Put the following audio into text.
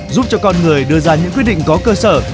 giúp cho con người đưa ra những quyết định có cơ sở